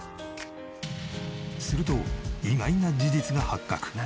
すると意外な事実が発覚。